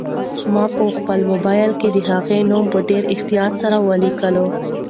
ما په خپل موبایل کې د هغې نوم په ډېر احتیاط سره ولیکه.